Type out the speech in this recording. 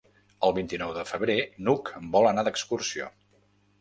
El vint-i-nou de febrer n'Hug vol anar d'excursió.